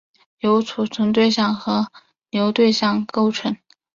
由存储对象和流对象构成。